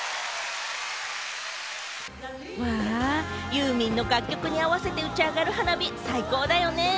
ユーミンの楽曲に合わせて打ち上がる花火、最高だよね。